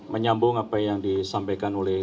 menyambung apa yang disampaikan oleh